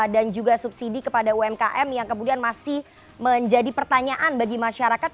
dan juga subsidi kepada umkm yang kemudian masih menjadi pertanyaan bagi masyarakat